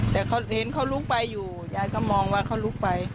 แต่เขาเห็นเขาลุกไปอยู่ยายก็มองว่าเขาลุกไป